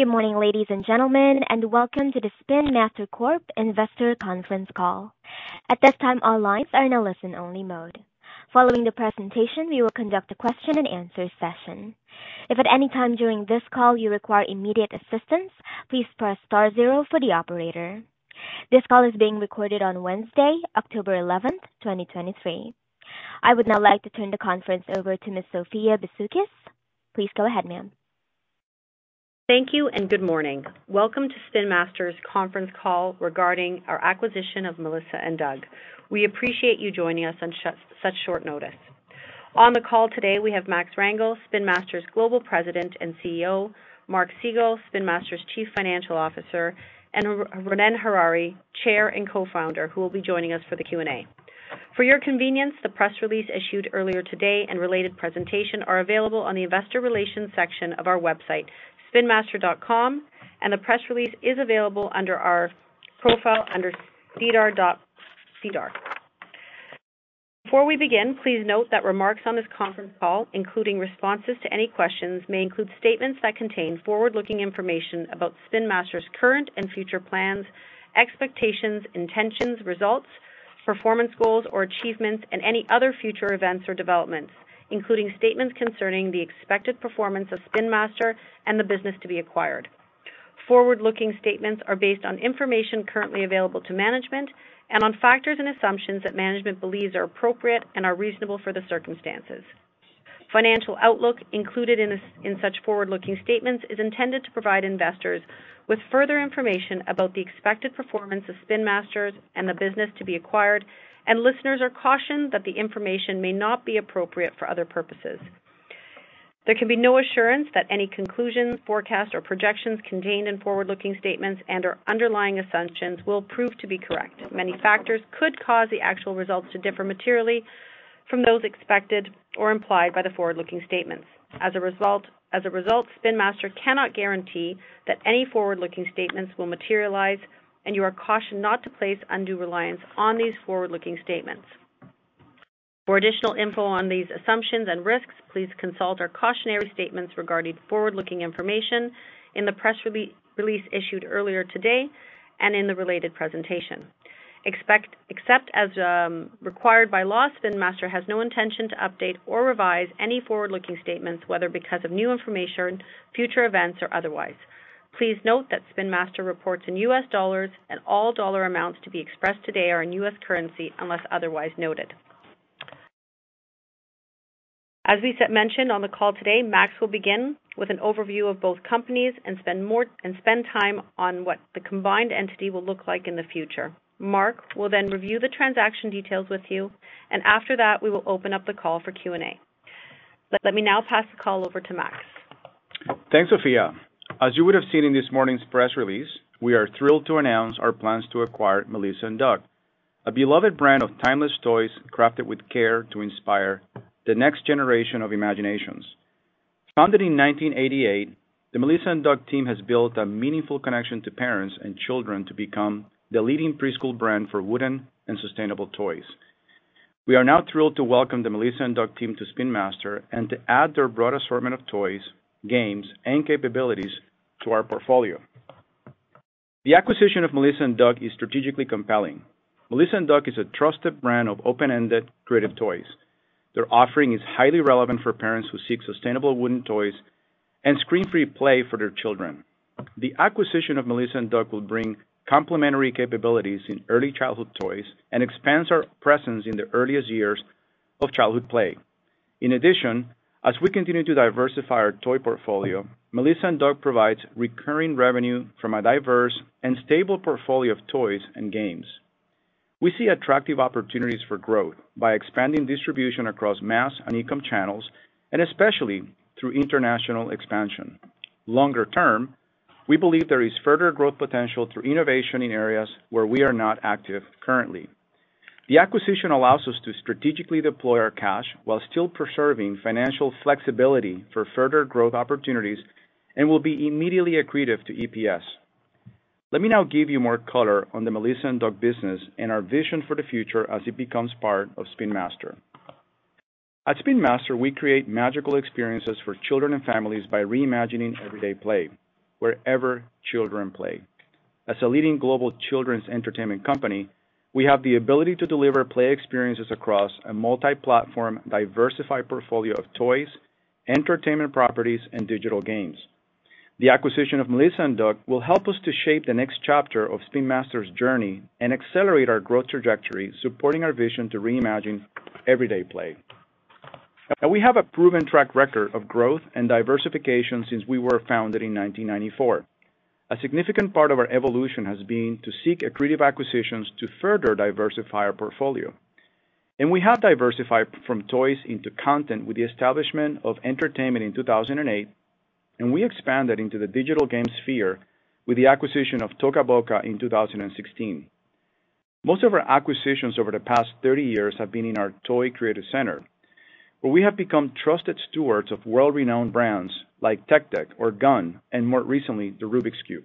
Good morning, ladies and gentlemen, and welcome to The Spin Master Corp Investor Conference Call. At this time, all lines are in a listen-only mode. Following the presentation, we will conduct a question-and-answer session. If at any time during this call you require immediate assistance, please press star zero for the operator. This call is being recorded on Wednesday, October eleventh, twenty twenty-three. I would now like to turn the conference over to Ms. Sophia Bisoukis. Please go ahead, ma'am. Thank you and good morning. Welcome to Spin Master's Conference Call Regarding Our Acquisition of Melissa & Doug. We appreciate you joining us on such short notice. On the call today, we have Max Rangel, Spin Master's Global President and CEO, Mark Segal, Spin Master's Chief Financial Officer, and Ronnen Harary, Chair and Co-founder, who will be joining us for the Q&A. For your convenience, the press release issued earlier today and related presentation are available on the Investor Relations section of our website, spinmaster.com, and the press release is available under our profile under SEDAR. Before we begin, please note that remarks on this conference call, including responses to any questions, may include statements that contain forward-looking information about Spin Master's current and future plans, expectations, intentions, results, performance goals or achievements, and any other future events or developments, including statements concerning the expected performance of Spin Master and the business to be acquired. Forward-looking statements are based on information currently available to management and on factors and assumptions that management believes are appropriate and are reasonable for the circumstances. Financial outlook included in such forward-looking statements is intended to provide investors with further information about the expected performance of Spin Master and the business to be acquired, and listeners are cautioned that the information may not be appropriate for other purposes. There can be no assurance that any conclusions, forecasts, or projections contained in forward-looking statements and/or underlying assumptions will prove to be correct. Many factors could cause the actual results to differ materially from those expected or implied by the forward-looking statements. As a result, Spin Master cannot guarantee that any forward-looking statements will materialize, and you are cautioned not to place undue reliance on these forward-looking statements. For additional info on these assumptions and risks, please consult our cautionary statements regarding forward-looking information in the press release issued earlier today and in the related presentation. Except as required by law, Spin Master has no intention to update or revise any forward-looking statements, whether because of new information, future events, or otherwise. Please note that Spin Master reports in U.S. dollars and all dollar amounts to be expressed today are in U.S. currency, unless otherwise noted. As we mentioned on the call today, Max will begin with an overview of both companies and spend time on what the combined entity will look like in the future. Mark will then review the transaction details with you, and after that, we will open up the call for Q&A. Let me now pass the call over to Max. Thanks, Sophia. As you would have seen in this morning's press release, we are thrilled to announce our plans to acquire Melissa & Doug, a beloved brand of timeless toys crafted with care to inspire the next generation of imaginations. Founded in 1988, the Melissa & Doug team has built a meaningful connection to parents and children to become the leading preschool brand for wooden and sustainable toys. We are now thrilled to welcome the Melissa & Doug team to Spin Master and to add their broad assortment of toys, games, and capabilities to our portfolio. The acquisition of Melissa & Doug is strategically compelling. Melissa & Doug is a trusted brand of open-ended creative toys. Their offering is highly relevant for parents who seek sustainable wooden toys and screen-free play for their children. The acquisition of Melissa & Doug will bring complementary capabilities in early childhood toys and expands our presence in the earliest years of childhood play. In addition, as we continue to diversify our toy portfolio, Melissa & Doug provides recurring revenue from a diverse and stable portfolio of toys and games. We see attractive opportunities for growth by expanding distribution across mass and e-com channels, and especially through international expansion. Longer term, we believe there is further growth potential through innovation in areas where we are not active currently. The acquisition allows us to strategically deploy our cash while still preserving financial flexibility for further growth opportunities and will be immediately accretive to EPS. Let me now give you more color on the Melissa & Doug business and our vision for the future as it becomes part of Spin Master. At Spin Master, we create magical experiences for children and families by reimagining everyday play wherever children play. As a leading global children's entertainment company, we have the ability to deliver play experiences across a multi-platform, diversified portfolio of toys, entertainment properties, and digital games. The acquisition of Melissa & Doug will help us to shape the next chapter of Spin Master's journey and accelerate our growth trajectory, supporting our vision to reimagine everyday play. Now, we have a proven track record of growth and diversification since we were founded in 1994. A significant part of our evolution has been to seek accretive acquisitions to further diversify our portfolio. We have diversified from toys into content with the establishment of entertainment in 2008, and we expanded into the digital game sphere with the acquisition of Toca Boca in 2016. Most of our acquisitions over the past 30 years have been in our toy creative center, where we have become trusted stewards of world-renowned brands like Tech Deck or GUND, and more recently, the Rubik's Cube.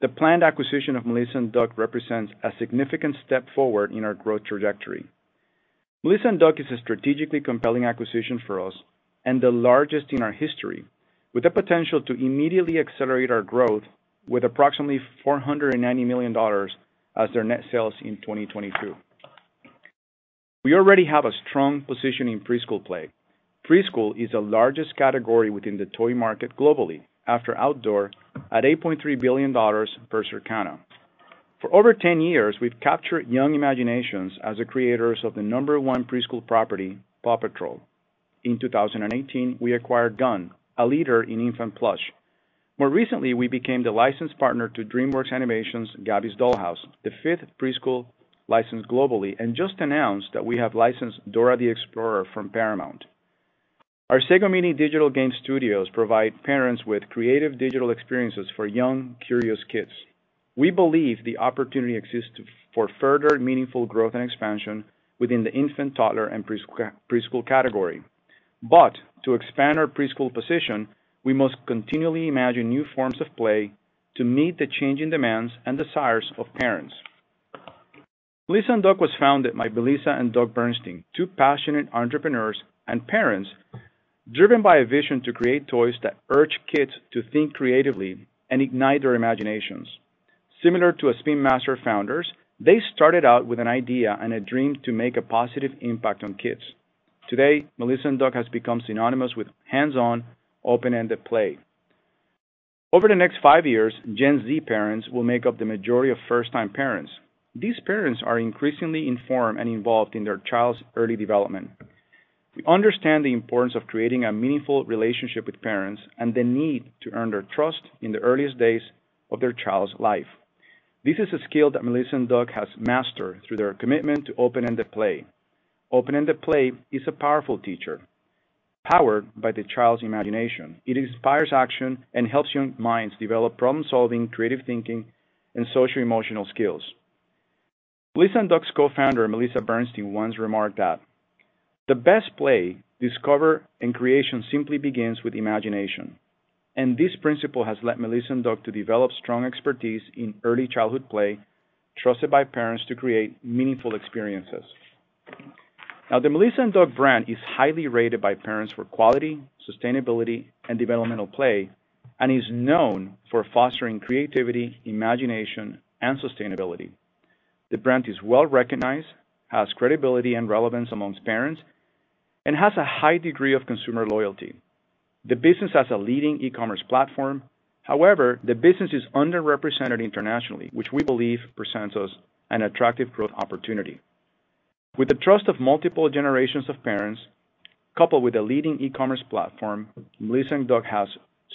The planned acquisition of Melissa & Doug represents a significant step forward in our growth trajectory. Melissa & Doug is a strategically compelling acquisition for us and the largest in our history, with the potential to immediately accelerate our growth with approximately $490 million as their net sales in 2022. We already have a strong position in preschool play. Preschool is the largest category within the toy market globally, after outdoor, at $8.3 billion per Circana. For over 10 years, we've captured young imaginations as the creators of the number preschool property, PAW Patrol. In 2018, we acquired GUND, a leader in infant plush. More recently, we became the licensed partner to DreamWorks Animation's Gabby's Dollhouse, the fifth preschool license globally, and just announced that we have licensed Dora the Explorer from Paramount. Our Sago Mini digital game studios provide parents with creative digital experiences for young, curious kids. We believe the opportunity exists to, for further meaningful growth and expansion within the infant, toddler, and preschool category. But to expand our preschool position, we must continually imagine new forms of play to meet the changing demands and desires of parents. Melissa & Doug was founded by Melissa and Doug Bernstein, two passionate entrepreneurs and parents, driven by a vision to create toys that urge kids to think creatively and ignite their imaginations. Similar to a Spin Master founders, they started out with an idea and a dream to make a positive impact on kids. Today, Melissa & Doug has become synonymous with hands-on, open-ended play. Over the next five years, Gen Z parents will make up the majority of first-time parents. These parents are increasingly informed and involved in their child's early development. We understand the importance of creating a meaningful relationship with parents and the need to earn their trust in the earliest days of their child's life. This is a skill that Melissa & Doug has mastered through their commitment to open-ended play. Open-ended play is a powerful teacher, powered by the child's imagination. It inspires action and helps young minds develop problem-solving, creative thinking, and social emotional skills. Melissa & Doug's co-founder, Melissa Bernstein, once remarked that, "The best play, discover, and creation simply begins with imagination." This principle has led Melissa & Doug to develop strong expertise in early childhood play, trusted by parents to create meaningful experiences. Now, the Melissa & Doug brand is highly rated by parents for quality, sustainability, and developmental play, and is known for fostering creativity, imagination, and sustainability. The brand is well-recognized, has credibility and relevance amongst parents, and has a high degree of consumer loyalty. The business has a leading e-commerce platform. However, the business is underrepresented internationally, which we believe presents us an attractive growth opportunity. With the trust of multiple generations of parents, coupled with a leading e-commerce platform, Melissa & Doug has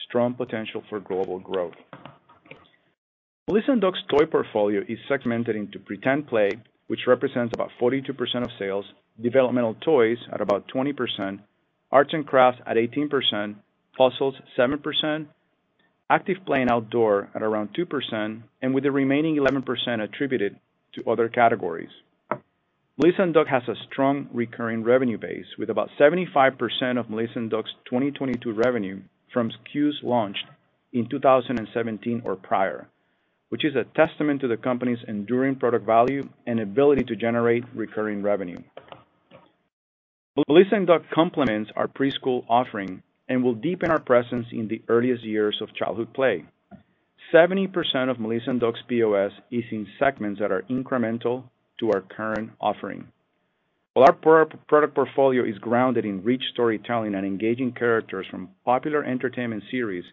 strong potential for global growth. Melissa & Doug's toy portfolio is segmented into pretend play, which represents about 42% of sales, developmental toys at about 20%, arts and crafts at 18%, puzzles, 7%, active play and outdoor at around 2%, and with the remaining 11% attributed to other categories. Melissa & Doug has a strong recurring revenue base, with about 75% of Melissa & Doug's 2022 revenue from SKUs launched in 2017 or prior, which is a testament to the company's enduring product value and ability to generate recurring revenue. Melissa & Doug complements our preschool offering and will deepen our presence in the earliest years of childhood play. 70% of Melissa & Doug's POS is in segments that are incremental to our current offering. While our product portfolio is grounded in rich storytelling and engaging characters from popular entertainment series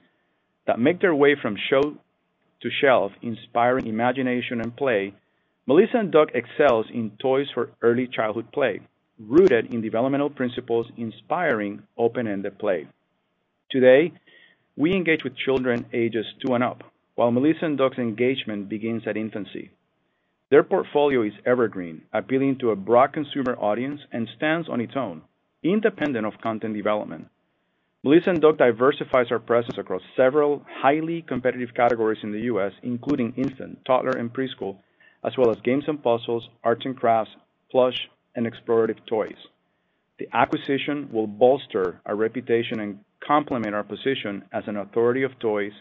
that make their way from show to shelf, inspiring imagination and play, Melissa & Doug excels in toys for early childhood play, rooted in developmental principles, inspiring open-ended play. Today, we engage with children ages two and up, while Melissa & Doug's engagement begins at infancy. Their portfolio is evergreen, appealing to a broad consumer audience and stands on its own, independent of content development. Melissa & Doug diversifies our presence across several highly competitive categories in the U.S., including infant, toddler, and preschool, as well as games and puzzles, arts and crafts, plush, and explorative toys. The acquisition will bolster our reputation and complement our position as an authority of toys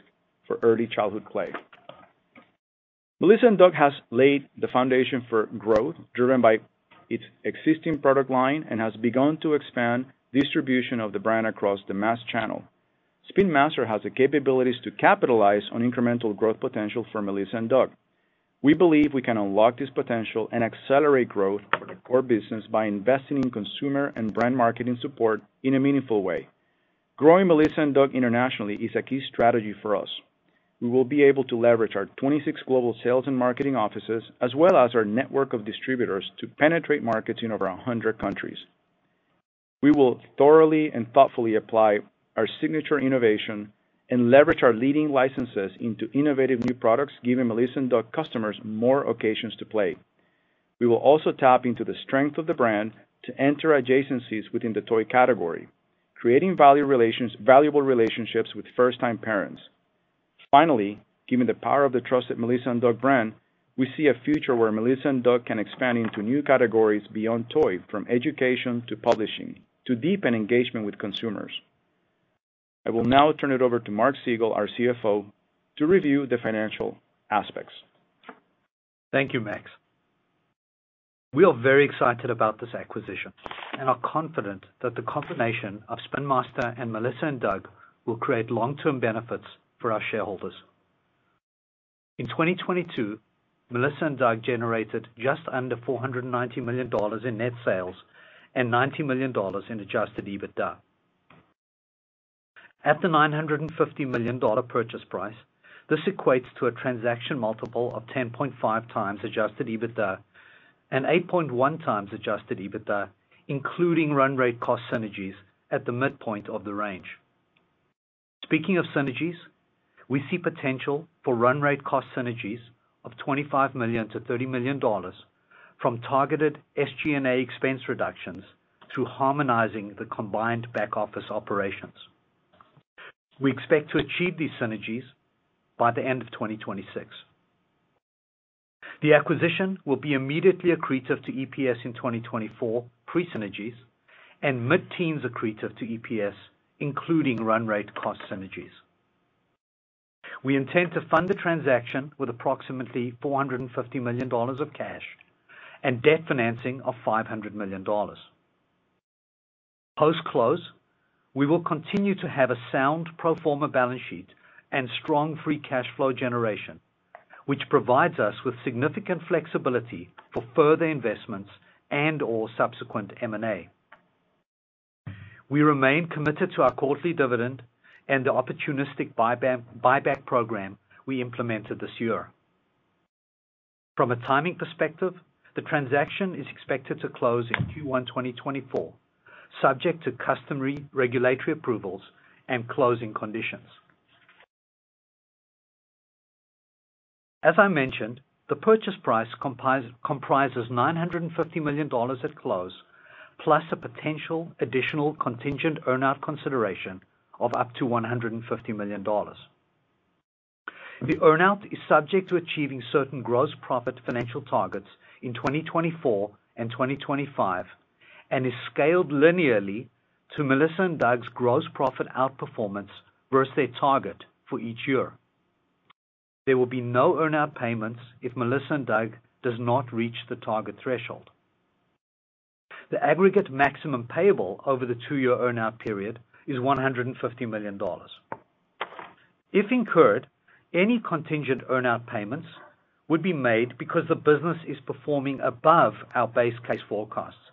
for early childhood play. Melissa & Doug has laid the foundation for growth, driven by its existing product line, and has begun to expand distribution of the brand across the mass channel. Spin Master has the capabilities to capitalize on incremental growth potential for Melissa and Doug. We believe we can unlock this potential and accelerate growth for the core business by investing in consumer and brand marketing support in a meaningful way. Growing Melissa & Doug internationally is a key strategy for us. We will be able to leverage our 26 global sales and marketing offices, as well as our network of distributors, to penetrate markets in over 100 countries. We will thoroughly and thoughtfully apply our signature innovation and leverage our leading licenses into innovative new products, giving Melissa & Doug customers more occasions to play. We will also tap into the strength of the brand to enter adjacencies within the toy category, creating value relations, valuable relationships with first-time parents. Finally, given the power of the trusted Melissa & Doug brand, we see a future where Melissa & Doug can expand into new categories beyond toys, from education to publishing, to deepen engagement with consumers. I will now turn it over to Mark Segal, our CFO, to review the financial aspects. Thank you, Max. We are very excited about this acquisition and are confident that the combination of Spin Master and Melissa & Doug will create long-term benefits for our shareholders. In 2022, Melissa & Doug generated just under $490 million in net sales and $90 million in Adjusted EBITDA. At the $950 million purchase price, this equates to a transaction multiple of 10.5x Adjusted EBITDA and 8.1x Adjusted EBITDA, including run rate cost synergies at the midpoint of the range. Speaking of synergies, we see potential for run rate cost synergies of $25 million-$30 million from targeted SG&A expense reductions through harmonizing the combined back-office operations. We expect to achieve these synergies by the end of 2026. The acquisition will be immediately accretive to EPS in 2024, pre-synergies, and mid-teens accretive to EPS, including run rate cost synergies. We intend to fund the transaction with approximately $450 million of cash and debt financing of $500 million. Post-close, we will continue to have a sound pro forma balance sheet and strong free cash flow generation, which provides us with significant flexibility for further investments and/or subsequent M&A. We remain committed to our quarterly dividend and the opportunistic buyback program we implemented this year. From a timing perspective, the transaction is expected to close in Q1 2024, subject to customary regulatory approvals and closing conditions. As I mentioned, the purchase price comprises $950 million at close, plus a potential additional contingent earn-out consideration of up to $150 million. The earn-out is subject to achieving certain gross profit financial targets in 2024 and 2025, and is scaled linearly to Melissa & Doug's gross profit outperformance versus their target for each year. There will be no earn-out payments if Melissa & Doug does not reach the target threshold. The aggregate maximum payable over the two-year earn-out period is $150 million. If incurred, any contingent earn-out payments would be made because the business is performing above our base case forecasts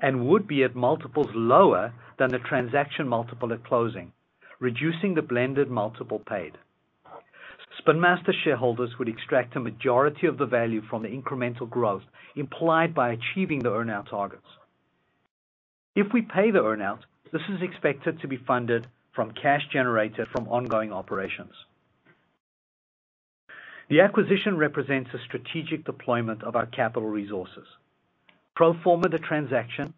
and would be at multiples lower than the transaction multiple at closing, reducing the blended multiple paid. Spin Master shareholders would extract a majority of the value from the incremental growth implied by achieving the earn-out targets. If we pay the earn-out, this is expected to be funded from cash generated from ongoing operations. The acquisition represents a strategic deployment of our capital resources. Pro forma the transaction,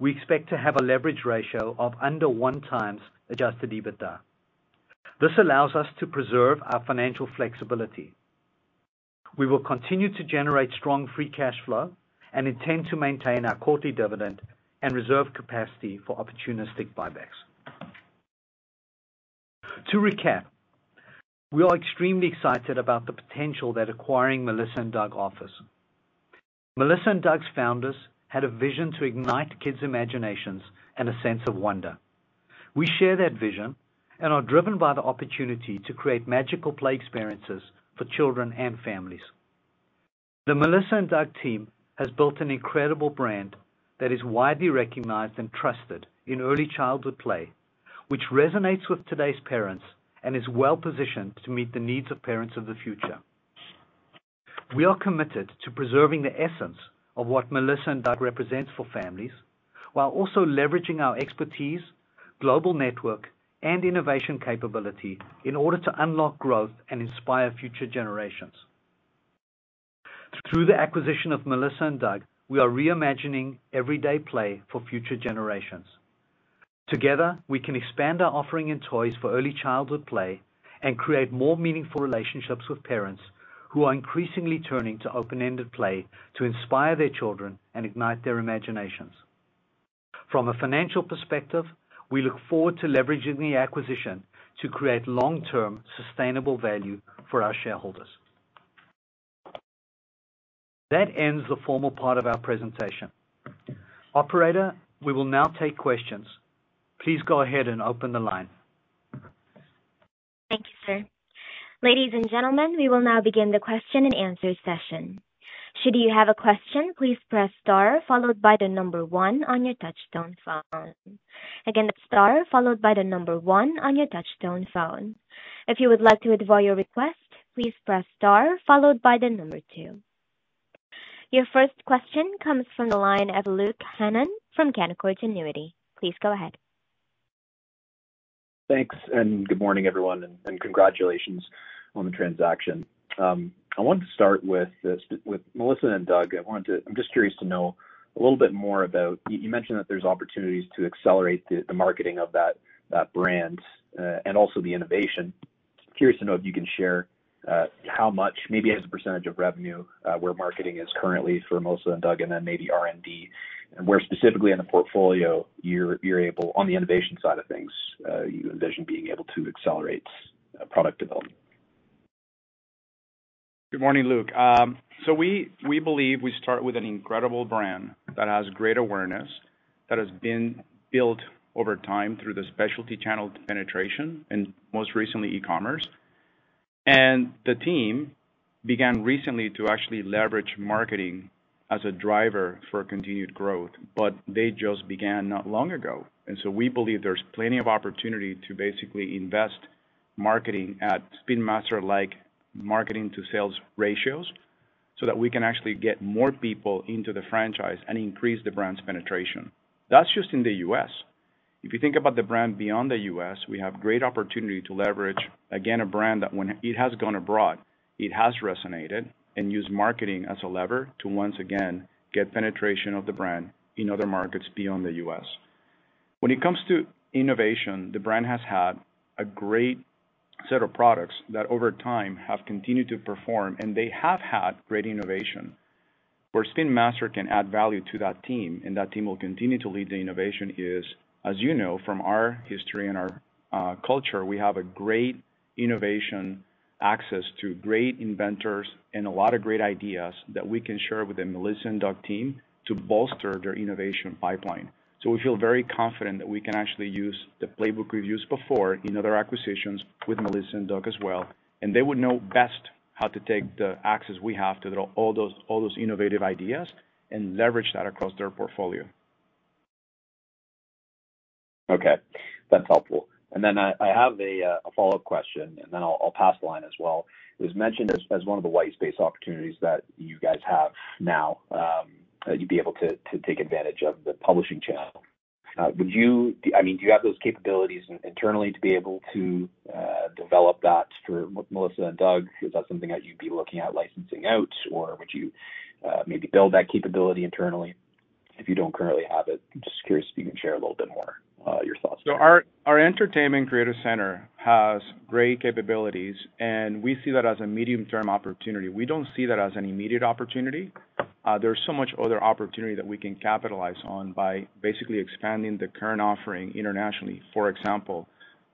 we expect to have a leverage ratio of under 1x Adjusted EBITDA. This allows us to preserve our financial flexibility. We will continue to generate strong free cash flow and intend to maintain our quarterly dividend and reserve capacity for opportunistic buybacks. To recap, we are extremely excited about the potential that acquiring Melissa & Doug offers. Melissa & Doug's founders had a vision to ignite kids' imaginations and a sense of wonder. We share that vision and are driven by the opportunity to create magical play experiences for children and families. The Melissa & Doug team has built an incredible brand that is widely recognized and trusted in early childhood play, which resonates with today's parents and is well positioned to meet the needs of parents of the future. We are committed to preserving the essence of what Melissa & Doug represents for families, while also leveraging our expertise, global network, and innovation capability in order to unlock growth and inspire future generations. Through the acquisition of Melissa & Doug, we are reimagining everyday play for future generations. Together, we can expand our offering in toys for early childhood play and create more meaningful relationships with parents who are increasingly turning to open-ended play to inspire their children and ignite their imaginations. From a financial perspective, we look forward to leveraging the acquisition to create long-term, sustainable value for our shareholders. That ends the formal part of our presentation. Operator, we will now take questions. Please go ahead and open the line. Thank you, sir. Ladies and gentlemen, we will now begin the question-and-answer session. Should you have a question, please press star followed by the number one on your touchtone phone. Again, star followed by the number one on your touchtone phone. If you would like to withdraw your request, please press star followed by the number two. Your first question comes from the line of Luke Hannan from Canaccord Genuity. Please go ahead. Thanks, good morning, everyone, and congratulations on the transaction. I want to start with this, with Melissa & Doug. I'm just curious to know a little bit more about... You mentioned that there's opportunities to accelerate the marketing of that brand, and also the innovation. Curious to know if you can share how much, maybe as a percentage of revenue, where marketing is currently for Melissa & Doug, and then maybe R&D, and where specifically in the portfolio you're able, on the innovation side of things, you envision being able to accelerate product development. Good morning, Luke. So we believe we start with an incredible brand that has great awareness, that has been built over time through the specialty channel penetration and most recently, e-commerce. The team began recently to actually leverage marketing as a driver for continued growth, but they just began not long ago, and so we believe there's plenty of opportunity to basically invest marketing at Spin Master, like marketing to sales ratios, so that we can actually get more people into the franchise and increase the brand's penetration. That's just in the U.S. If you think about the brand beyond the U.S., we have great opportunity to leverage, again, a brand that when it has gone abroad, it has resonated and use marketing as a lever to once again get penetration of the brand in other markets beyond the U.S. When it comes to innovation, the brand has had a great set of products that over time, have continued to perform, and they have had great innovation. Where Spin Master can add value to that team, and that team will continue to lead the innovation is, as you know, from our history and our culture, we have a great innovation access to great inventors and a lot of great ideas that we can share with the Melissa & Doug team to bolster their innovation pipeline. So we feel very confident that we can actually use the playbook we've used before in other acquisitions with Melissa & Doug as well, and they would know best how to take the access we have to all those, all those innovative ideas and leverage that across their portfolio. Okay, that's helpful. I have a follow-up question, and then I'll pass the line as well. It was mentioned as one of the white space opportunities that you guys have now, you'd be able to take advantage of the publishing channel. Would you... I mean, do you have those capabilities internally to be able to develop that for Melissa and Doug? Is that something that you'd be looking at licensing out, or would you maybe build that capability internally if you don't currently have it? Just curious if you can share a little bit more your thoughts. So our entertainment creative center has great capabilities, and we see that as a medium-term opportunity. We don't see that as an immediate opportunity. There's so much other opportunity that we can capitalize on by basically expanding the current offering internationally. For example,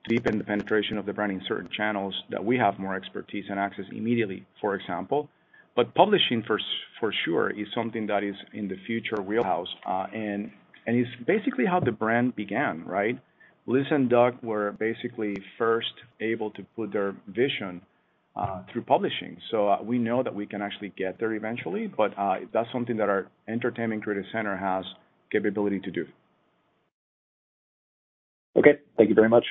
to deepen the penetration of the brand in certain channels that we have more expertise and access immediately, for example. But publishing, for sure, is something that is in the future wheelhouse, and it's basically how the brand began, right? Melissa and Doug were basically first able to put their vision through publishing. So we know that we can actually get there eventually, but that's something that our entertainment creative center has capability to do. Okay, thank you very much.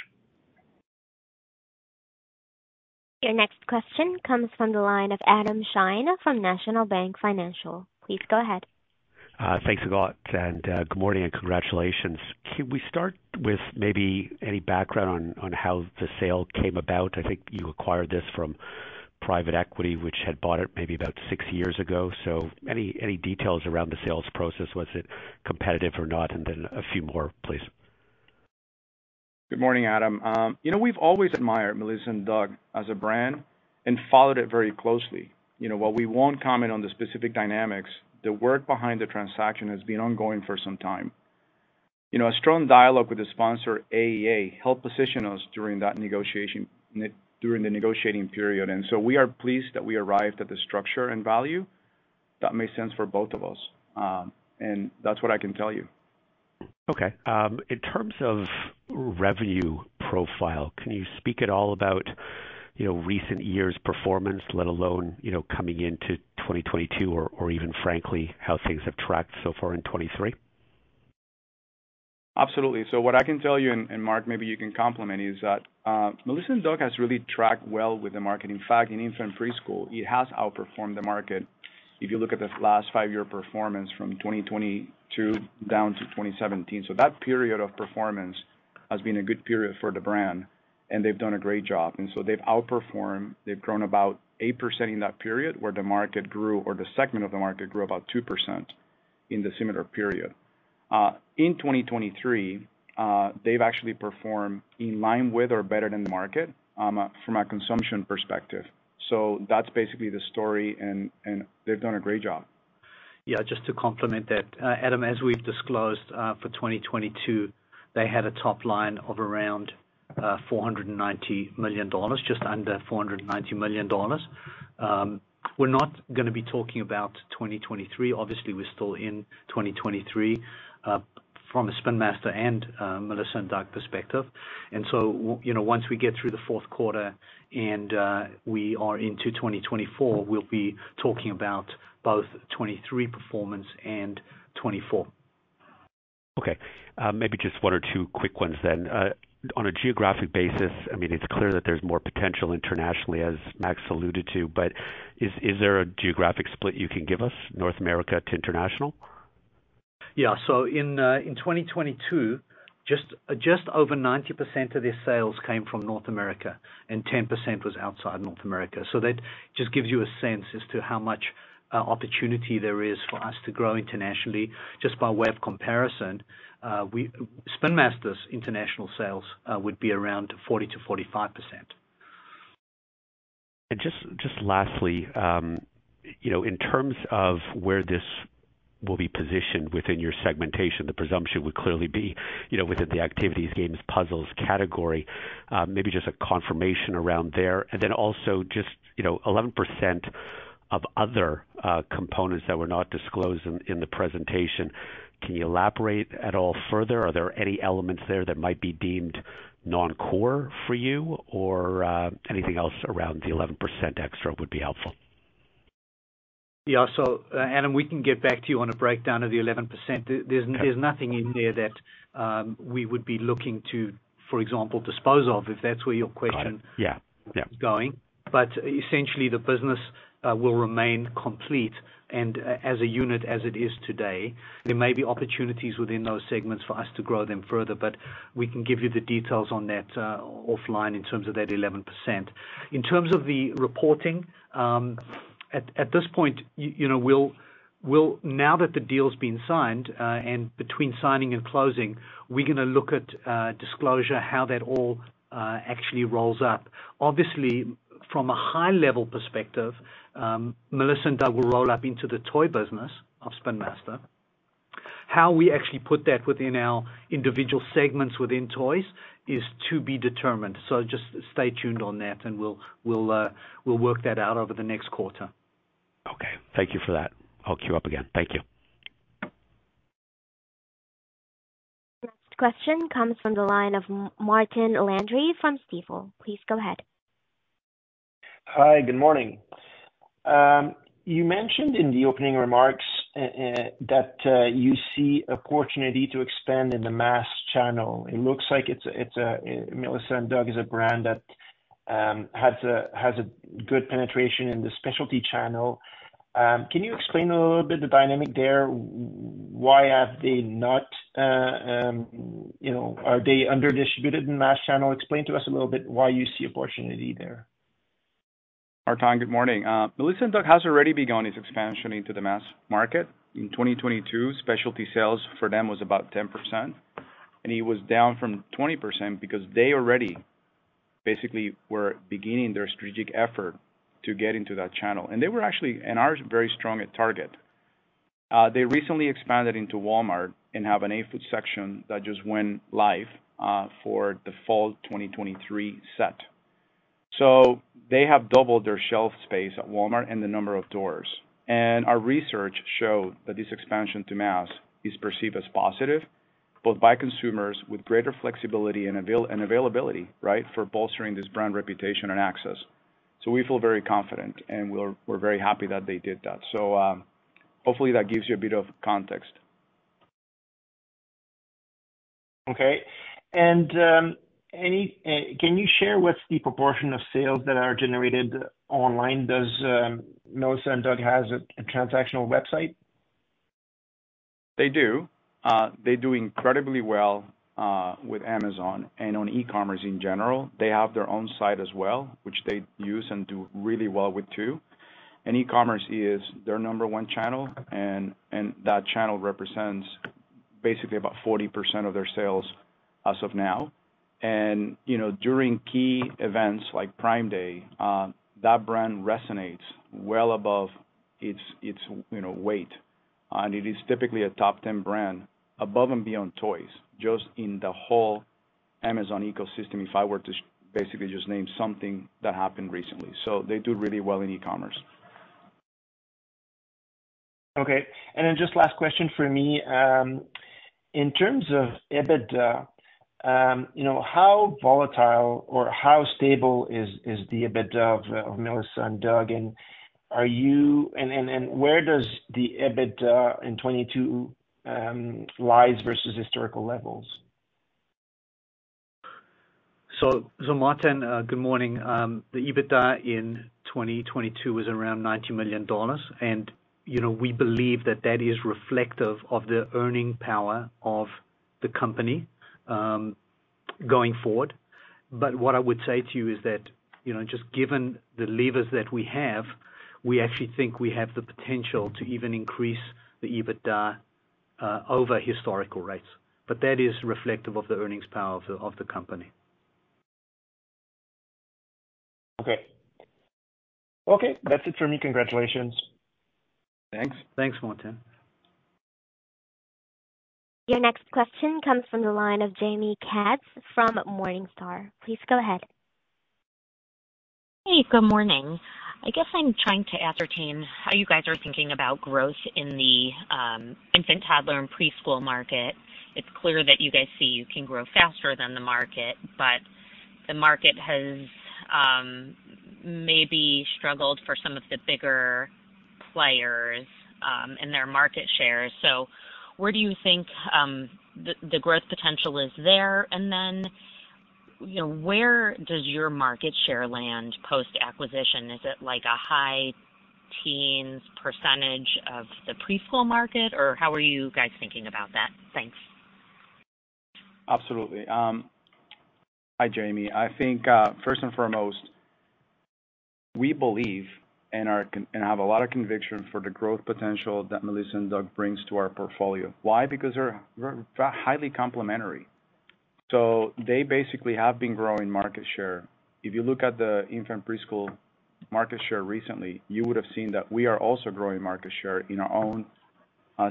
Your next question comes from the line of Adam Shine from National Bank Financial. Please go ahead. Thanks a lot, and good morning, and congratulations. Can we start with maybe any background on how the sale came about? I think you acquired this from private equity, which had bought it maybe about six years ago. So any details around the sales process, was it competitive or not? And then a few more, please. Good morning, Adam. You know, we've always admired Melissa & Doug as a brand and followed it very closely. You know, while we won't comment on the specific dynamics, the work behind the transaction has been ongoing for some time. You know, a strong dialogue with the sponsor, AEA, helped position us during that negotiation, during the negotiating period, and so we are pleased that we arrived at the structure and value that made sense for both of us. And that's what I can tell you. Okay, in terms of revenue profile, can you speak at all about, you know, recent years' performance, let alone, you know, coming into 2022 or, or even frankly, how things have tracked so far in 2023? Absolutely. So what I can tell you, and, and Mark, maybe you can complement, is that Melissa and Doug has really tracked well with the market. In fact, in infant preschool, it has outperformed the market. If you look at the last five-year performance from 2022 down to 2017. So that period of performance has been a good period for the brand, and they've done a great job, and so they've outperformed. They've grown about 8% in that period, where the market grew, or the segment of the market grew about 2% in the similar period. In 2023, they've actually performed in line with or better than the market, from a consumption perspective. So that's basically the story, and, and they've done a great job. Yeah, just to complement that, Adam, as we've disclosed, for 2022, they had a top line of around $490 million, just under $490 million. We're not gonna be talking about 2023. Obviously, we're still in 2023, from a Spin Master and Melissa & Doug perspective. And so you know, once we get through the fourth quarter and we are into 2024, we'll be talking about both 2023 performance and 2024. Okay, maybe just one or two quick ones then. On a geographic basis, I mean, it's clear that there's more potential internationally, as Max alluded to, but is there a geographic split you can give us, North America to international? Yeah. So in 2022, just over 90% of their sales came from North America, and 10% was outside North America. So that just gives you a sense as to how much opportunity there is for us to grow internationally. Just by way of comparison, Spin Master's international sales would be around 40% to 45%. And just, just lastly, you know, in terms of where this will be positioned within your segmentation, the presumption would clearly be, you know, within the activities, games, puzzles, category. Maybe just a confirmation around there. And then also just, you know, 11% of other components that were not disclosed in the presentation. Can you elaborate at all further? Are there any elements there that might be deemed non-core for you or anything else around the 11% extra would be helpful. Yeah. So, Adam, we can get back to you on a breakdown of the 11%. There, there's- Okay. There's nothing in there that we would be looking to, for example, dispose of, if that's where your question- Got it. Yeah. Yeah. ...is going. But essentially, the business will remain complete and as a unit as it is today. There may be opportunities within those segments for us to grow them further, but we can give you the details on that offline in terms of that 11%. In terms of the reporting, at this point, you know, we'll, we'll. Now that the deal's been signed and between signing and closing, we're gonna look at disclosure, how that all actually rolls up. Obviously, from a high level perspective, Melissa & Doug will roll up into the toy business of Spin Master. How we actually put that within our individual segments within toys is to be determined. So just stay tuned on that, and we'll, we'll, we'll work that out over the next quarter. Okay, thank you for that. I'll queue up again. Thank you. Next question comes from the line of Martin Landry from Stifel. Please go ahead. Hi, good morning. You mentioned in the opening remarks that you see opportunity to expand in the mass channel. It looks like Melissa & Doug is a brand that has good penetration in the specialty channel. Can you explain a little bit the dynamic there? Why have they not, you know... Are they under distributed in mass channel? Explain to us a little bit why you see opportunity there. Martin, good morning. Melissa & Doug has already begun its expansion into the mass market. In 2022, specialty sales for them was about 10%, and it was down from 20% because they already basically were beginning their strategic effort to get into that channel. And they were actually and are very strong at Target. They recently expanded into Walmart and have an eight-foot section that just went live, for the fall 2023 set. So they have doubled their shelf space at Walmart and the number of doors. And our research showed that this expansion to mass is perceived as positive, both by consumers with greater flexibility and availability, right, for bolstering this brand reputation and access. So we feel very confident, and we're, we're very happy that they did that. So, hopefully that gives you a bit of context. Okay. Can you share what's the proportion of sales that are generated online? Does Melissa & Doug has a transactional website? They do. They do incredibly well with Amazon and on e-commerce in general. They have their own site as well, which they use and do really well with too. And e-commerce is their number one channel, and that channel represents basically about 40% of their sales as of now. And, you know, during key events like Prime Day, that brand resonates well above its, its, you know, weight. And it is typically a top 10 brand, above and beyond toys, just in the whole Amazon ecosystem, if I were to basically just name something that happened recently. So they do really well in e-commerce. Okay. And then just last question for me. In terms of EBITDA, you know, how volatile or how stable is the EBITDA of Melissa & Doug, and where does the EBITDA in 2022 lie versus historical levels? So Martin, good morning. The EBITDA in 2022 was around $90 million, and, you know, we believe that that is reflective of the earning power of the company, going forward. But what I would say to you is that, you know, just given the levers that we have, we actually think we have the potential to even increase the EBITDA, over historical rates. But that is reflective of the earnings power of the company. Okay. Okay, that's it for me. Congratulations. Thanks. Thanks, Martin. Your next question comes from the line of Jaime Katz from Morningstar. Please go ahead. Hey, good morning. I guess I'm trying to ascertain how you guys are thinking about growth in the infant, toddler, and preschool market. It's clear that you guys see you can grow faster than the market, but the market has maybe struggled for some of the bigger players and their market share. So where do you think the growth potential is there? And then, you know, where does your market share land post-acquisition? Is it like a high teens % of the preschool market, or how are you guys thinking about that? Thanks. Absolutely. Hi, Jaime. I think, first and foremost, we believe and are confident and have a lot of conviction for the growth potential that Melissa & Doug brings to our portfolio. Why? Because they're highly complementary. So they basically have been growing market share. If you look at the infant preschool market share recently, you would have seen that we are also growing market share in our own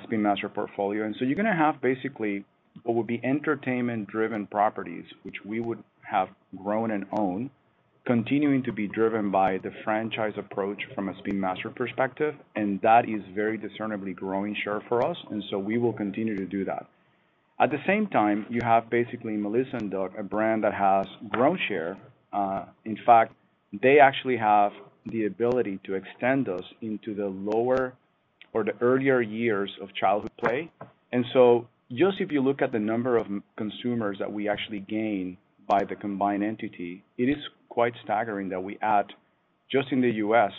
Spin Master portfolio. And so you're gonna have basically what would be entertainment-driven properties, which we would have grown and own, continuing to be driven by the franchise approach from a Spin Master perspective. And that is very discernibly growing share for us, and so we will continue to do that. At the same time, you have basically Melissa & Doug, a brand that has grown share. in fact, they actually have the ability to extend us into the lower or the earlier years of childhood play. And so just if you look at the number of consumers that we actually gain by the combined entity, it is quite staggering that we add, just in the U.S.,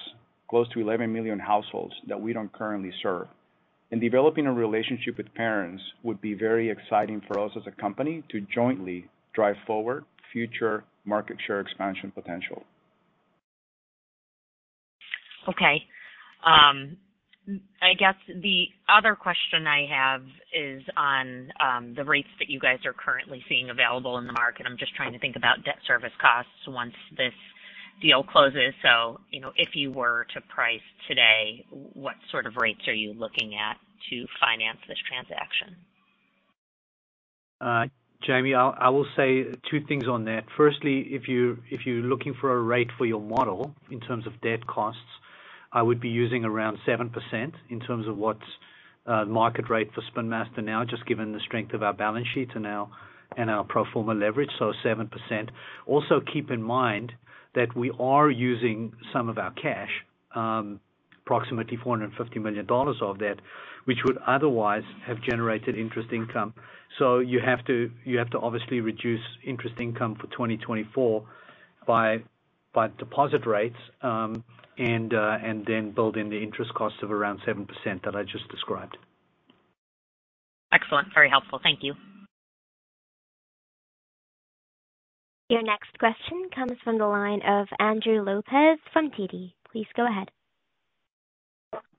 close to 11 million households that we don't currently serve. And developing a relationship with parents would be very exciting for us as a company to jointly drive forward future market share expansion potential. Okay. I guess the other question I have is on the rates that you guys are currently seeing available in the market. I'm just trying to think about debt service costs once this deal closes. So, you know, if you were to price today, what sort of rates are you looking at to finance this transaction? Jaime, I will say two things on that. Firstly, if you're looking for a rate for your model in terms of debt costs, I would be using around 7% in terms of what's market rate for Spin Master now, just given the strength of our balance sheet and our pro forma leverage, so 7%. Also, keep in mind that we are using some of our cash, approximately $450 million of debt, which would otherwise have generated interest income. So you have to obviously reduce interest income for 2024 by deposit rates, and then build in the interest cost of around 7% that I just described. Excellent. Very helpful. Thank you. Your next question comes from the line of Andrew Lopez from TD. Please go ahead.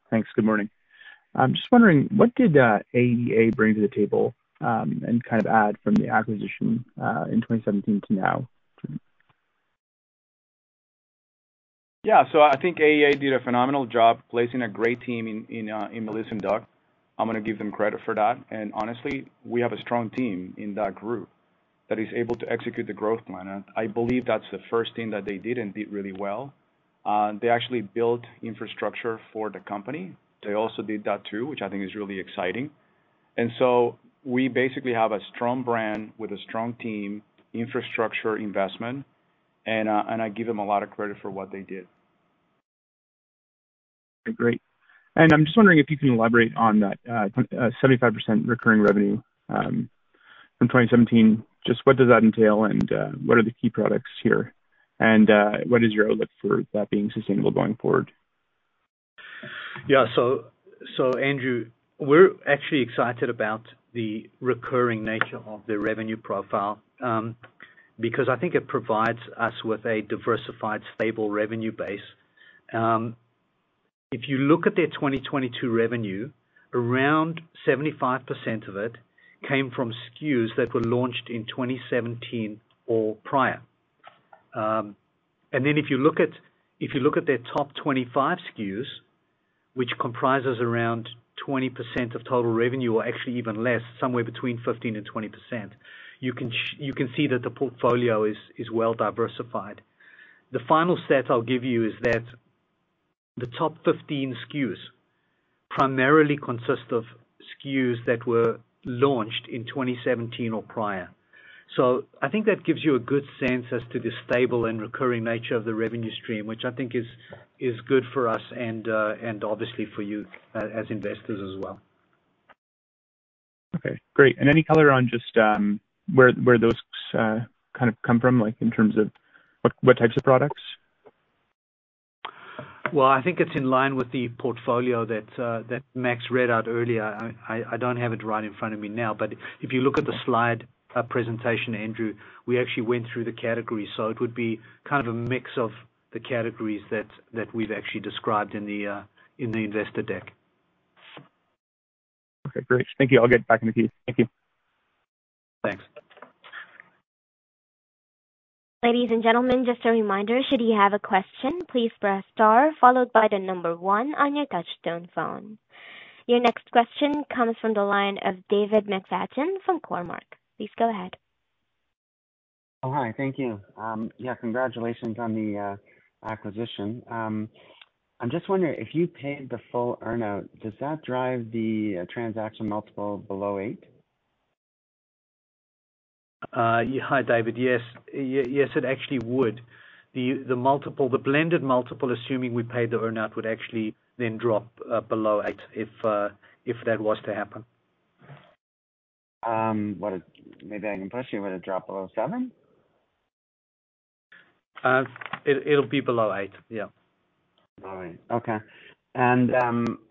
Thanks. Good morning. I'm just wondering, what did AEA bring to the table, and kind of add from the acquisition in 2017 to now? Yeah. So I think AEA did a phenomenal job placing a great team in Melissa & Doug. I'm gonna give them credit for that. And honestly, we have a strong team in that group that is able to execute the growth plan, and I believe that's the first thing that they did and did really well. They actually built infrastructure for the company. They also did that, too, which I think is really exciting. And so we basically have a strong brand with a strong team, infrastructure investment, and I give them a lot of credit for what they did. Great. And I'm just wondering if you can elaborate on that, 75% recurring revenue, from 2017. Just what does that entail, and, what are the key products here? And, what is your outlook for that being sustainable going forward? Yeah. So, so Andrew, we're actually excited about the recurring nature of the revenue profile, because I think it provides us with a diversified, stable revenue base. If you look at their 2022 revenue, around 75% of it came from SKUs that were launched in 2017 or prior. And then if you look at, if you look at their top 25 SKUs, which comprises around 20% of total revenue, or actually even less, somewhere between 15% and 20%, you can see that the portfolio is, is well diversified. The final stat I'll give you is that the top 15 SKUs primarily consist of SKUs that were launched in 2017 or prior. So I think that gives you a good sense as to the stable and recurring nature of the revenue stream, which I think is good for us and, and obviously for you, as investors as well. Okay, great. And any color on just where those kind of come from? Like, in terms of what types of products? Well, I think it's in line with the portfolio that Max read out earlier. I don't have it right in front of me now, but if you look at the slide presentation, Andrew, we actually went through the categories, so it would be kind of a mix of the categories that we've actually described in the investor deck. Okay, great. Thank you. I'll get back to you. Thank you. Thanks. Ladies and gentlemen, just a reminder, should you have a question, please press star followed by the number one on your touchtone phone. Your next question comes from the line of David McFadgen from Cormark. Please go ahead. Oh, hi. Thank you. Yeah, congratulations on the acquisition. I'm just wondering, if you paid the full earn-out, does that drive the transaction multiple below eight? Yeah. Hi, David. Yes. Yes, it actually would. The multiple, the blended multiple, assuming we paid the earn-out, would actually then drop below eight if that was to happen. Maybe I can push you. Would it drop below seven? It'll be below eight. Yeah. All right. Okay. And,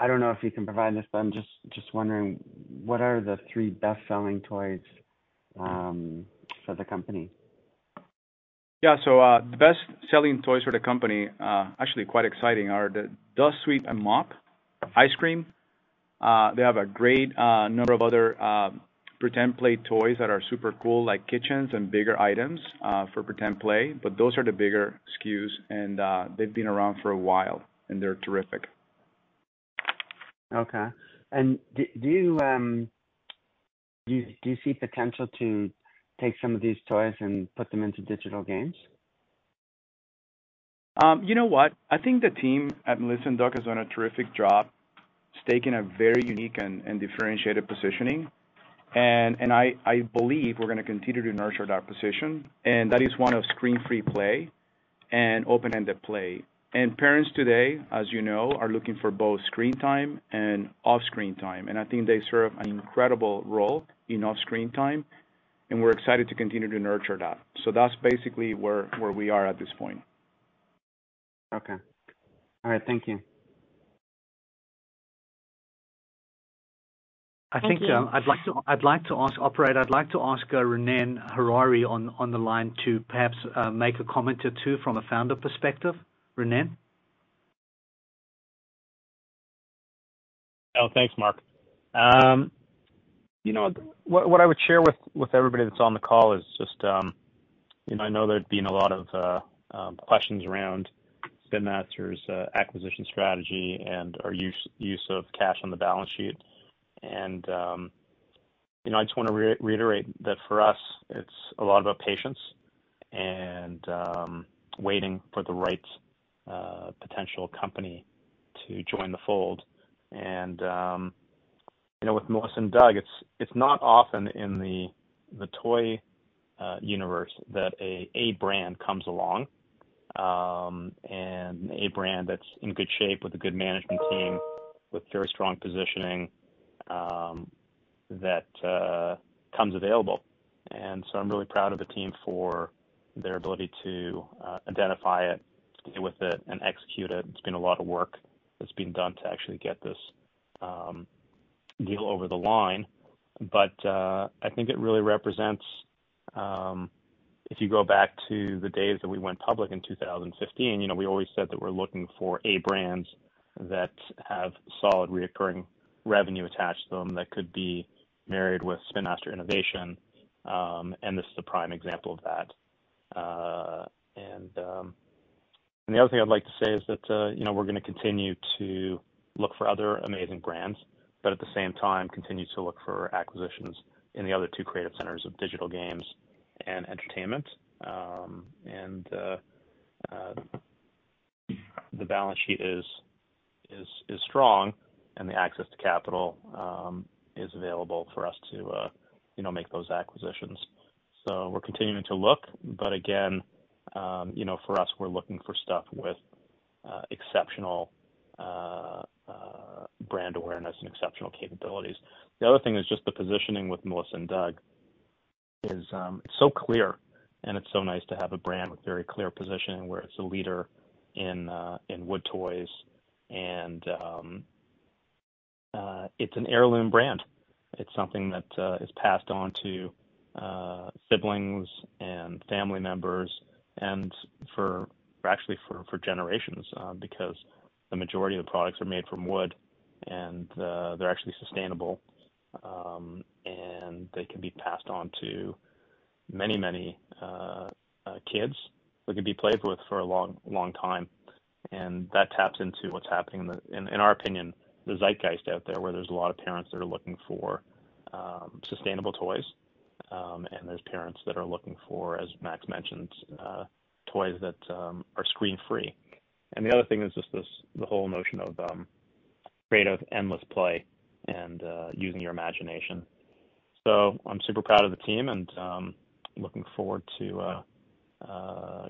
I don't know if you can provide this, but I'm just wondering, what are the three best-selling toys for the company? Yeah, so, the best-selling toys for the company, actually quite exciting, are the Dust Sweep and Mop, Ice Cream. They have a great number of other pretend play toys that are super cool, like kitchens and bigger items for pretend play. But those are the bigger SKUs, and they've been around for a while, and they're terrific. Okay. And do you see potential to take some of these toys and put them into digital games? You know what? I think the team at Melissa & Doug has done a terrific job, staking a very unique and I believe we're gonna continue to nurture that position, and that is one of screen-free play and open-ended play. Parents today, as you know, are looking for both screen time and off-screen time, and I think they serve an incredible role in off-screen time, and we're excited to continue to nurture that. So that's basically where we are at this point. Okay. All right, thank you. I think, I'd like to ask... Operator, I'd like to ask, Ronnen Harary on, on the line to perhaps, make a comment or two from a founder perspective. Ronnen? Thanks, Mark. You know, what I would share with everybody that's on the call is just, you know, I know there have been a lot of questions around Spin Master's acquisition strategy and/or use of cash on the balance sheet. You know, I just wanna reiterate that for us, it's a lot about patience and waiting for the right potential company to join the fold. You know, with Melissa & Doug, it's not often in the toy universe that a brand comes along, and a brand that's in good shape with a good management team, with very strong positioning, that comes available. I'm really proud of the team for their ability to identify it, stay with it and execute it. It's been a lot of work that's been done to actually get this deal over the line. But I think it really represents... If you go back to the days that we went public in 2015, you know, we always said that we're looking for brands that have solid, recurring revenue attached to them that could be married with Spin Master innovation, and this is a prime example of that. And the other thing I'd like to say is that, you know, we're gonna continue to look for other amazing brands, but at the same time, continue to look for acquisitions in the other two creative centers of digital games and entertainment. And the balance sheet is strong, and the access to capital is available for us to, you know, make those acquisitions. So we're continuing to look. But again, you know, for us, we're looking for stuff with exceptional brand awareness and exceptional capabilities. The other thing is just the positioning with Melissa & Doug is, it's so clear, and it's so nice to have a brand with very clear positioning, where it's a leader in wood toys. And it's an heirloom brand. It's something that is passed on to siblings and family members and for, actually, for generations, because the majority of the products are made from wood, and they're actually sustainable. And they can be passed on to many, many kids that could be played with for a long, long time. And that taps into what's happening in our opinion, the zeitgeist out there, where there's a lot of parents that are looking for sustainable toys, and there's parents that are looking for, as Max mentioned, toys that are screen-free. And the other thing is just this, the whole notion of creative, endless play and using your imagination. So I'm super proud of the team and looking forward to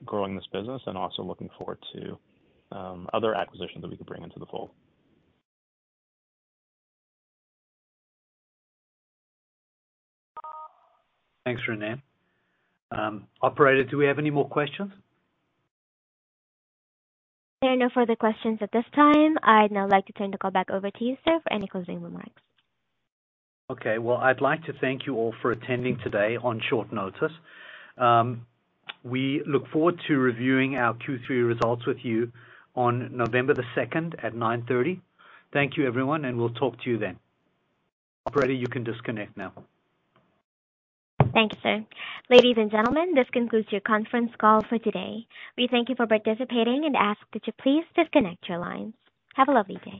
growing this business and also looking forward to other acquisitions that we can bring into the fold. Thanks, Ronnen. Operator, do we have any more questions? There are no further questions at this time. I'd now like to turn the call back over to you, sir, for any closing remarks. Okay, well, I'd like to thank you all for attending today on short notice. We look forward to reviewing our Q3 results with you on November the second at 9:30 Thank you, everyone, and we'll talk to you then. Operator, you can disconnect now. Thank you, sir. Ladies and gentlemen, this concludes your conference call for today. We thank you for participating and ask that you please disconnect your lines. Have a lovely day.